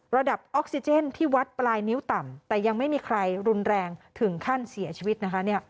ออกซิเจนที่วัดปลายนิ้วต่ำแต่ยังไม่มีใครรุนแรงถึงขั้นเสียชีวิตนะคะ